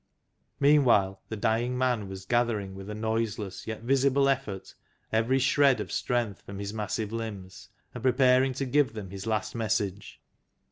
Meanwhile, the dying man was gathering with a noiseless yet visible effort every shred of strength from his massive limbs, and preparing to give them his last message.